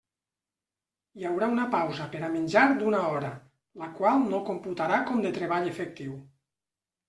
Hi haurà una pausa per a menjar d'una hora, la qual no computarà com de treball efectiu.